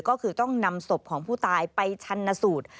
ก็คือต้องนำศพของผู้ตายไปชันสูตร